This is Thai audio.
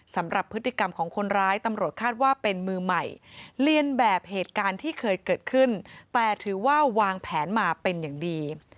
สำหรับพฤติกรรมของคนร้ายตำรวจคาดว่าเป็นมือใหม่เรียนแบบเหตุการณ์ที่เคยเกิดขึ้นแต่ถือว่าวางแผนมาเป็นอย่างดี